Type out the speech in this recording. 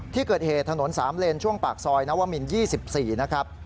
ที่เกิดเหตุถนน๓เลนช่วงปากซอยนวมิน๒๔นะครับ